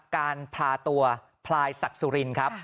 การพาตัวพลายศักดิ์สุรินครับ